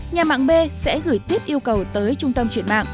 nhà mạng b sẽ gửi tiếp yêu cầu tới